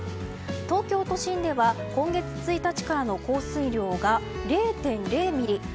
東京都心では今月１日から降水量が０．０ミリ。